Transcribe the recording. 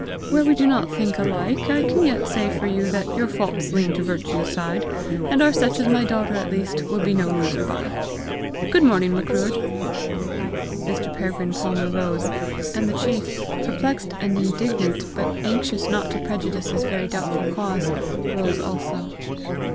Where we do not think alike, I can yet say for you that your faults lean to virtue's side, and are such as my daughter at least will be no loser by. Good morning, Macruadh." Mr. Peregrine Palmer rose; and the chief, perplexed and indignant, but anxious not to prejudice, his very doubtful cause, rose also.